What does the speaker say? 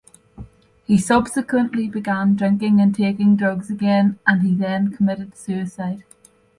He subsequently began drinking and taking drugs again, and he then committed suicide.